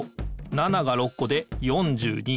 ７が６こで４２。